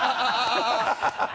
ハハハハ！